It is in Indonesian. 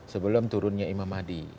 sebelum turunnya imam mahdi